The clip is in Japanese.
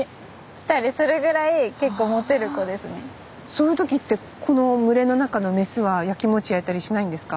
その時ってこの群れの中の雌はやきもちやいたりしないんですか？